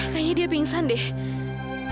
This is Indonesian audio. tapi dia bingung sendiri